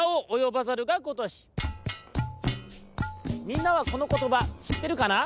みんなはこのことばしってるかな？